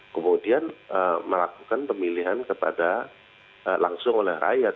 kemudian melakukan pemilihan langsung oleh rakyat